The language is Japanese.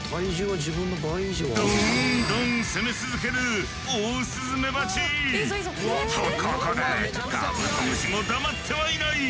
どんどん攻め続けるオオスズメバチ！とここでカブトムシも黙ってはいない！